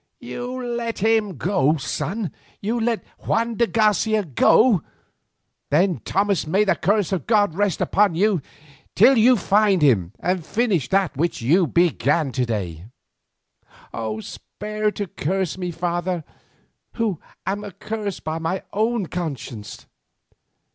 "You let him go, son! You let Juan de Garcia go! Then, Thomas, may the curse of God rest upon you till you find him and finish that which you began to day." "Spare to curse me, father, who am accursed by my own conscience.